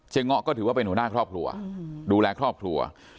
เงาะก็ถือว่าเป็นหัวหน้าครอบครัวดูแลครอบครัว